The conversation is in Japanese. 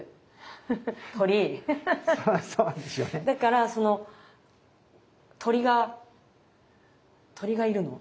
だからその鳥が鳥がいるの？